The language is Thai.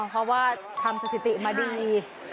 เพราะว่าทำสถิติมาดี